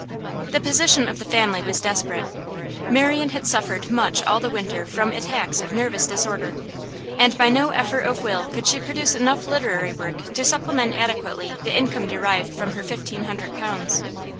The position of the family was desperate. Marian had suffered much all the winter from attacks of nervous disorder, and by no effort of will could she produce enough literary work to supplement adequately the income derived from her fifteen hundred pounds.